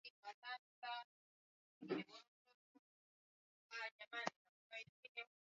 ni fikira zianze tangu watu wana miaka kumi na nane wanapokuwa watu wazima kujijengea